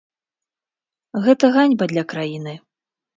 Гэта ганьба для краіны.